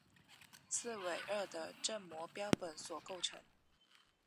刺猬鳄的正模标本所构成。